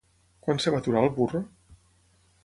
Quan es va aturar el burro?